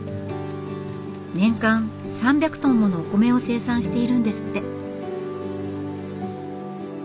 年間３００トンものお米を生産しているんですって。